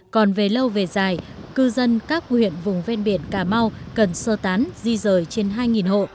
còn về lâu về dài cư dân các huyện vùng ven biển cà mau cần sơ tán di rời trên hai hộ